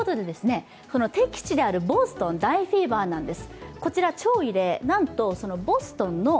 敵地であるボストン、大フィーバーなんです。